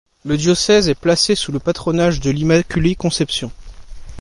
Le diocèse est placé sous le patronage de l'Immaculée Conception.